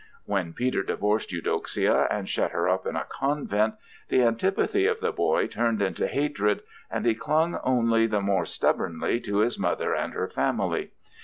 When Peter divorced Eudoxia and shut her up in a convent, the antipathy of the boy turned into hatred, and he clung only the more stubbornly to his mother and her family.